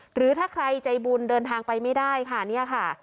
หรือถ้าใครใจบุญเดินทางไปไม่ได้ค่ะ